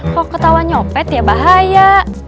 kok ketawa nyopet ya bahaya